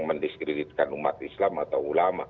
mendiskreditkan umat islam atau ulama